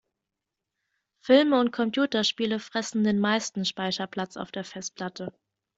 Filme und Computerspiele fressen den meisten Speicherplatz auf der Festplatte.